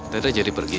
tante jadi pergi